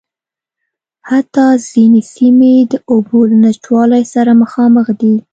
حتٰی ځينې سیمې د اوبو له نشتوالي سره مخامخ دي.